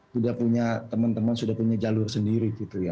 sudah punya teman teman sudah punya jalur sendiri gitu ya